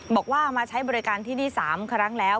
บอกว่ามาใช้บริการที่นี่๓ครั้งแล้ว